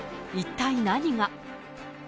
一体何が。